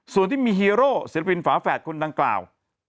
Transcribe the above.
ส่วนที่มีฮีโร่ศิลปินฝาแฝดคนดังกล่าว